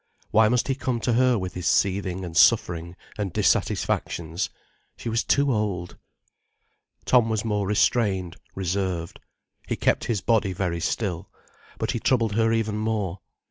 Why must he come to her with his seething and suffering and dissatisfactions? She was too old. Tom was more restrained, reserved. He kept his body very still. But he troubled her even more.